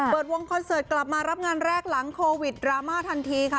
วงคอนเสิร์ตกลับมารับงานแรกหลังโควิดดราม่าทันทีค่ะ